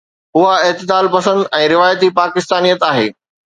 اها اعتدال پسند ۽ روايتي پاڪستانيت آهي.